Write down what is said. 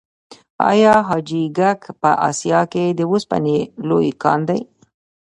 آیا حاجي ګک په اسیا کې د وسپنې لوی کان دی؟